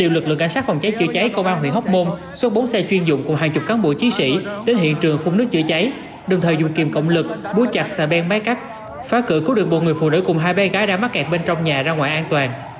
lực lượng cảnh sát phòng cháy chữa cháy công an huyện hóc môn số bốn xe chuyên dụng cùng hàng chục cán bộ chiến sĩ đến hiện trường phun nước chữa cháy đồng thời dùng kiềm cộng lực búa chặt xà beng máy cắt phá cửa cứu được một người phụ nữ cùng hai bé gái đã mắc kẹt bên trong nhà ra ngoài an toàn